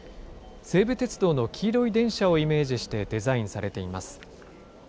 西武鉄道の黄色い電車をイメージしてデザインされています。